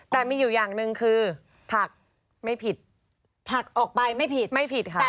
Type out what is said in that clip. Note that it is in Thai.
แต่มีอยู่อย่างหนึ่งคือผักไม่ผิดผักออกไปไม่ผิดไม่ผิดค่ะ